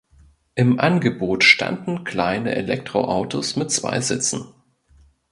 Im Angebot standen kleine Elektroautos mit zwei Sitzen.